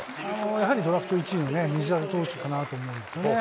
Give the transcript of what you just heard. やはりドラフト１位の西舘投手かなと思うんですね。